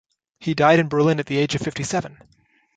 He died in Berlin at the age of fifty-seven.